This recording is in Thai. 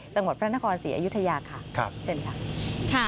จังหวัดพระนครศรีอยุธยาค่ะเชิญค่ะ